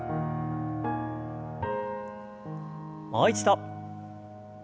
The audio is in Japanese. もう一度。